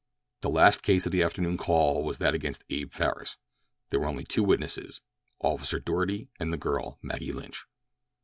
The last case of the afternoon call was that against Abe Farris. There were only two witnesses—Officer Doarty and the girl, Maggie Lynch.